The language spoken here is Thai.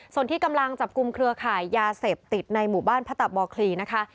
ส่วนที่กำลังจับกลุ่มเครือข่ายยาเสพติดในหมู่บ้านพระตะบอคลีนะคะ